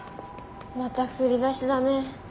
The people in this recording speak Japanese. また振り出しだね。